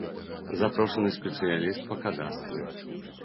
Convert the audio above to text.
Запрошаны спецыяліст па кадастры.